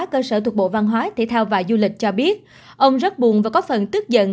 cơ sở thuộc bộ văn hóa thể thao và du lịch cho biết ông rất buồn và có phần tức giận